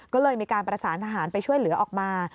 ก็เลยมีการประสานทหารไปช่วยเหลือออกมา